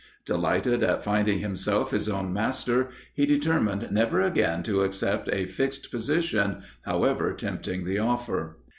[I] Delighted at finding himself his own master, he determined never again to accept a fixed position, however tempting the offer.